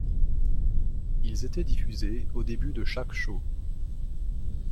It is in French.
Ils étaient diffusés au début de chaque Show.